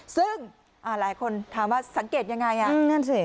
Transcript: ซึ่งหลายคนถามว่าสังเกตยังไง